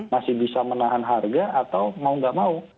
masih bisa menahan harga atau mau nggak mau